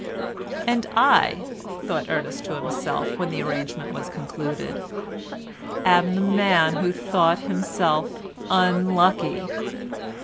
"And I," thought Ernest to himself again when the arrangement was concluded, "am the man who thought himself unlucky!"